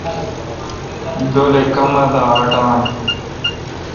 ڈولے کما دا اٹان۔